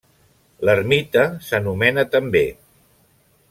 L'ermita s'anomena també.